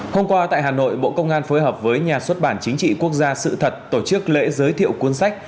hôm qua tại hà nội bộ công an phối hợp với nhà xuất bản chính trị quốc gia sự thật tổ chức lễ giới thiệu cuốn sách